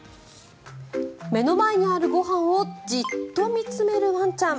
目の前にあるご飯をじっと見つめるワンちゃん。